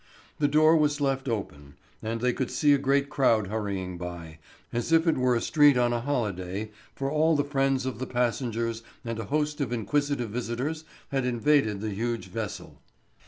The door was left open, and they could see a great crowd hurrying by, as if it were a street on a holiday, for all the friends of the passengers and a host of inquisitive visitors had invaded the huge vessel.